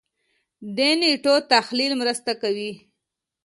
دې نېټو تحلیل مرسته کوي.